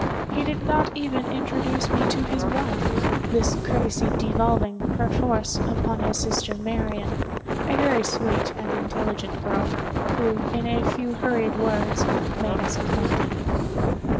He did not even introduce me to his wife—this courtesy devolving, per force, upon his sister Marian—a very sweet and intelligent girl, who, in a few hurried words, made us acquainted.